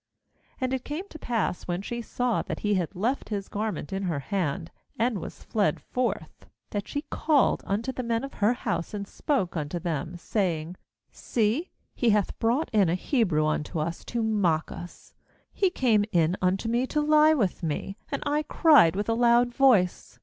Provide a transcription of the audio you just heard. ^And it came to pass, when she saw that he had left his garment in her hand, and was fled forth, 14that she called unto the men of her house, and spoke unto them, saying: 'See, A breach. 48 GENESIS 40 15 he hath brought in a Hebrew unto us to mock us; he came in unto me to lie with me, and I cried with a loud voice.